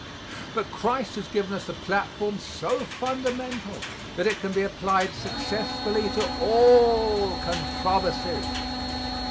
But Christ has given us a platform so fundamental that it can be applied successfully to all controversies.